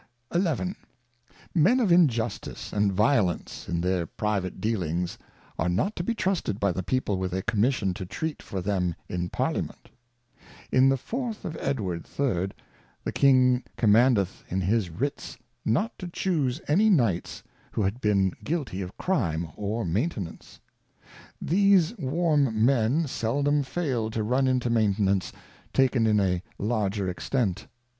XI. Men of Injustice and Violence, in their private Dealings, are not to be trusted by the People with a Commission to treat for them in Parliament. In the 4/A of Edw. 3, the King Commandeth in his Writs not to chuse any Knights who had been Guilty of Crime, or Maintenance. These warm Men seldom fail to run into Maintenance, taken in a larger Extent.